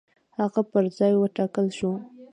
هغه پر ځای وټاکل شو.